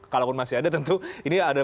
kalaupun masih ada tentu ini ada